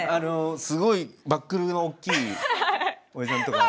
すごいバックルのおっきいおじさんとか。